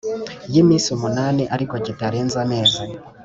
Y iminsi umunani ariko kitarenze amezi